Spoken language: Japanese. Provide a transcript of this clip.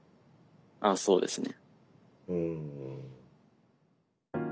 ああそうですね。